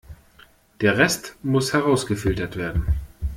Der Rest muss herausgefiltert werden.